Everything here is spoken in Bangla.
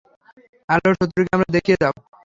আল্লাহর শত্রুকে আমায় দেখিয়ে দাও।